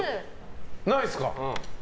ないですか。